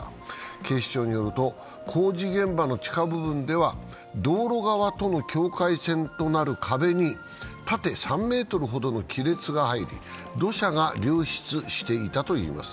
警視庁によると工事現場の地下部分では道路側との境界線となる壁に縦３ｍほどの亀裂が入り、土砂が流出していたといいます。